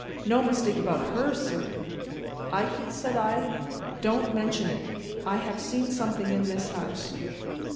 "No mistake about her, sir." "Ikey," said I, "don't mention it; I have seen something in this house."